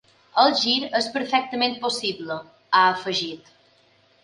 El gir és perfectament possible, ha afegit.